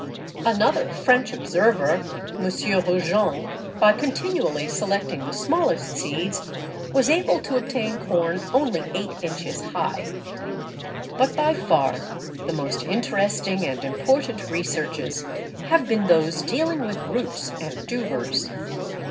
Another French observer (M. Roujon) by continually selecting the smallest seeds, was able to obtain corn only eight inches high. But by far the most interesting and important researches have been those dealing with roots and tubers.